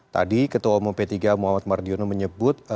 tadi ketua umum p tiga muhammad mardiono menyebut